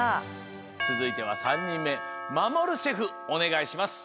つづいては３にんめまもるシェフおねがいします！